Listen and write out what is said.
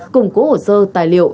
củng cố hồ sơ tài liệu